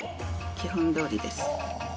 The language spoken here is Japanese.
基本どおりです。